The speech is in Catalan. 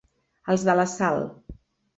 Els de la Sal.